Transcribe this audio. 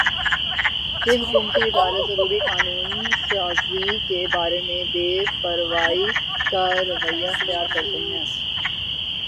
کہ حکومتی ادارے ضروری قانون سازی کے بارے میں بے پروائی کا رویہ اختیار کرتے ہیں